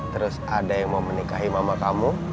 terus ada yang mau menikahi mama kamu